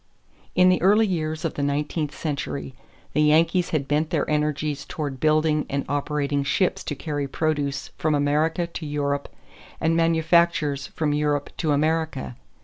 In the early years of the nineteenth century, the Yankees had bent their energies toward building and operating ships to carry produce from America to Europe and manufactures from Europe to America.